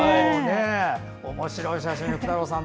おもしろい写真福太郎さん